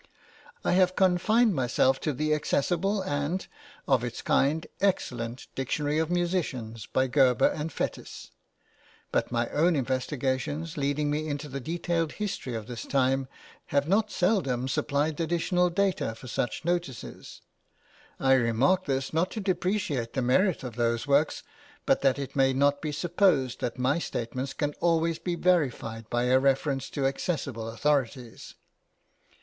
I have confined myself to the accessible and, of its kind, excellent Dictionary of Musicians by Gerber and Fétis, but my own investigations, leading me into the detailed history of this time, have not seldom supplied additional data for such notices; I remark this not to depreciate the merit of those works, but that it may not be supposed that my statements can always be verified by a reference to accessible authorities.